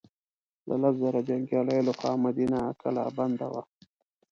د لس زره جنګیالیو له خوا مدینه کلا بنده وه.